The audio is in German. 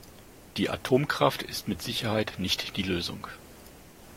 Die Atomkraft ist mit Sicherheit nicht die Lösung.